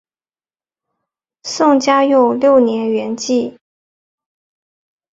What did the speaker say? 宋嘉佑六年圆寂。